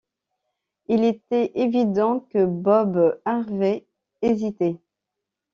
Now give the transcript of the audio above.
Il était évident que Bob Harvey hésitait.